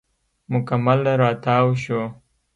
مکمل راتاو شو.